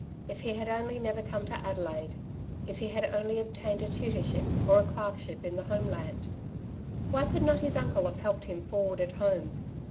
If he had only never come to Adelaide ; if he had only obtained a tutorship, or a clerkship in the home land ! Why could not his uncle have helped him forward at home?